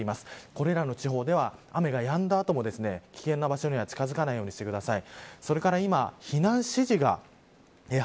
これらの地方では雨がやんだ後も危険な場所には近づかないようにしてください。